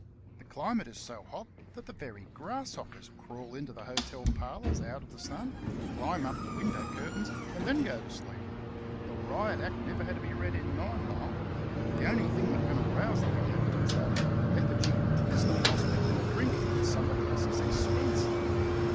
The climate is so hot that the very grasshoppers crawl into the hotel parlours out of the sun, climb up the window curtains, and then go to sleep. The Riot Act never had to be read in Ninemile. The only thing that can arouse the inhabitants out of their lethargy is the prospect of a drink at somebody else's expense.